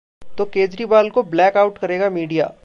...तो केजरीवाल को black out करेगा मीडिया!